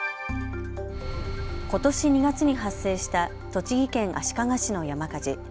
ことし２月に発生した栃木県足利市の山火事。